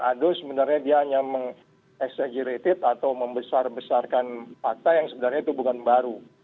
aduh sebenarnya dia hanya mengeksagerated atau membesar besarkan fakta yang sebenarnya itu bukan baru